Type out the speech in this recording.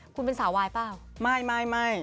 คุณเป็นสาววายเปล่าไม่ไม่